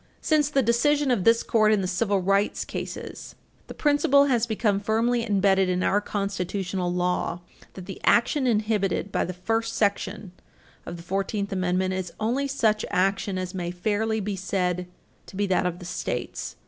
Since the decision of this Court in the Civil Rights Cases, 109 U. S. 3 (1883), the principle has become firmly embedded in our constitutional law that the action inhibited by the first section of the Fourteenth Amendment is only such action as may fairly be said to be that of the States.